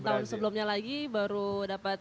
dan tahun sebelumnya lagi baru dapat